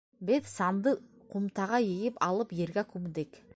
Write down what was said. Беҙ, санды ҡумтаға йыйып алып, ергә күмдек.